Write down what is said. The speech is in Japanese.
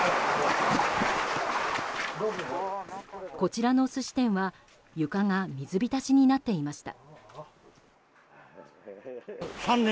こちらの寿司店は床が水浸しになっていました。